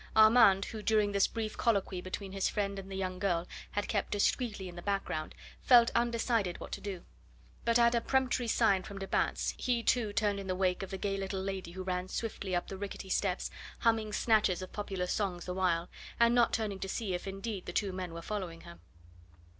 Armand, who during this brief colloquy between his friend and the young girl had kept discreetly in the background, felt undecided what to do. But at a peremptory sign from de Batz he, too, turned in the wake of the gay little lady, who ran swiftly up the rickety steps, humming snatches of popular songs the while, and not turning to see if indeed the two men were following her.